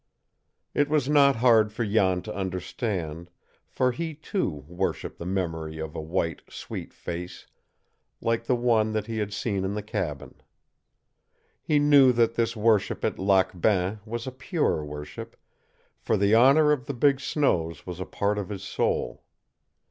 It was not hard for Jan to understand, for he, too, worshiped the memory of a white, sweet face like the one that he had seen in the cabin. He knew that this worship at Lac Bain was a pure worship, for the honor of the big snows was a part of his soul.